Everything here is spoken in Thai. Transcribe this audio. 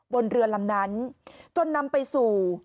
บนเรือลำนั้นจนนำไปสู่